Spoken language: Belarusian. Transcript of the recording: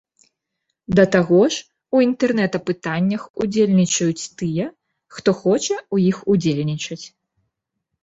Да таго ж у інтэрнэт-апытаннях удзельнічаюць тыя, хто хоча ў іх удзельнічаць.